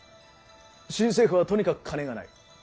新政府はとにかく金がない。